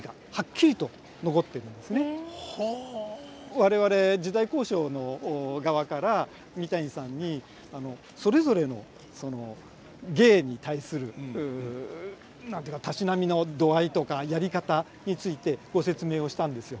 我々時代考証の側から三谷さんにそれぞれの芸に対する何て言うかたしなみの度合いとかやり方についてご説明をしたんですよ。